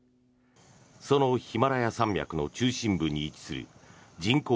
そのヒマラヤ山脈の中心部に位置する人口